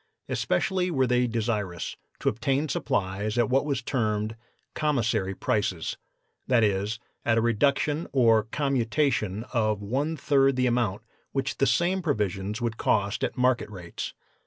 Especially were they desirous to obtain supplies at what was termed 'commissary prices;' that is, at a reduction or commutation of one third the amount which the same provisions would cost at market rates.